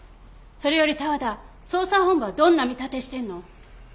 それより多和田捜査本部はどんな見立てしてるの？